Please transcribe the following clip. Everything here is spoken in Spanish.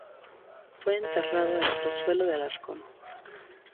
Fue enterrado en Pozuelo de Alarcón.